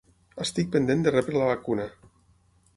Estic pendent de rebre la vacuna